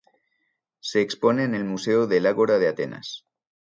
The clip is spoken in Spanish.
Se expone en el Museo del Ágora de Atenas.